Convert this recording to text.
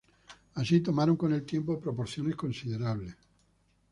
Así, tomaron con el tiempo proporciones considerables.